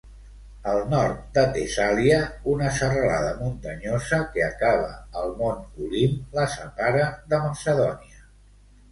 Al nord de Tessàlia, una serralada muntanyosa que acaba al mont Olimp la separa de Macedònia.